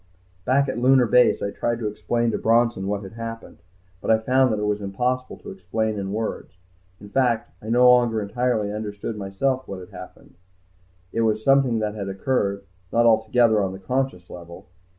Back at Lunar Base I tried to explain to Bronson what had happened. But I found that it was impossible to explain in words. In fact I no longer entirely understood, myself, what had happened. It was something that had occurred not altogether on the conscious level.